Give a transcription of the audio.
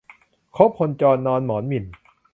คบคนจรนอนหมอนหมิ่น